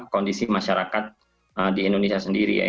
kondisi masyarakat di indonesia sendiri ya